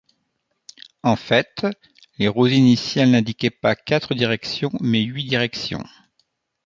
En fait, les roses initiales n’indiquaient pas quatre directions mais huit directions.